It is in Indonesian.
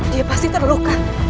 dia pasti terluka